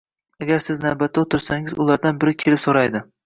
Agar siz navbatda o'tirsangiz, ulardan biri kelib so'raydi